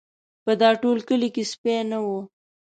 په دا ټول کلي کې سپی نه و.